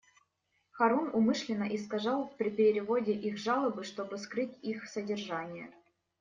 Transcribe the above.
Харун умышленно искажал при переводе их жалобы, чтобы скрыть их содержание.